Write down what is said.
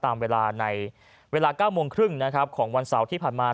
ตามเวลาในเวลา๙โมงครึ่งนะครับของวันเสาร์ที่ผ่านมา